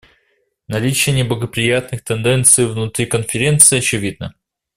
Наличие неблагоприятных тенденций внутри Конференции очевидно.